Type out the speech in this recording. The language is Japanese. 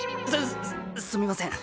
すすすみません！